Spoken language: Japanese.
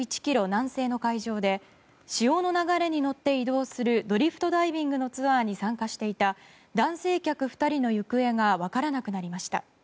南西の海上で潮の流れに乗って移動するドリフトダイビングのツアーに参加していた男性客２人の行方が分からなくなりました。